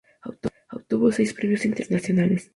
Obtuvo seis premios internacionales.